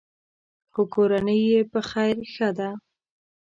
خو کورنۍ یې په خیر ښه ده.